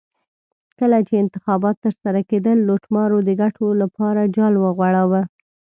کله چې انتخابات ترسره کېدل لوټمارو د ګټو لپاره جال وغوړاوه.